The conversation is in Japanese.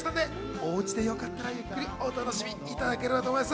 おうちでよかったらゆっくりお楽しみいただければと思います。